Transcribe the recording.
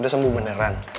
udah sembuh beneran